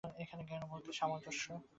এইখানেই জ্ঞান ও ভক্তির সামঞ্জস্য।